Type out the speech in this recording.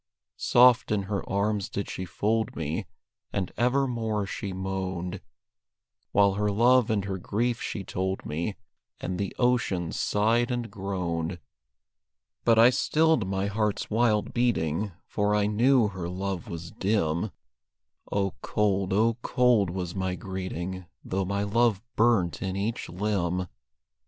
Soft in her arms did she fold me, And evermore she moaned, While her love and her grief she told me, And the ocean sighed and groaned. But I stilled my heart's wild beating, For I knew her love was dim; Oh, cold, oh, cold was my greeting, Though my love burnt in each limb.